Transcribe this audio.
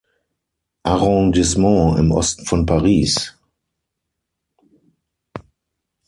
Arrondissement im Osten von Paris.